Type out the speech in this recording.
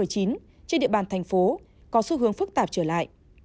trên địa bàn thành phố có xu hướng phức tạp trở lại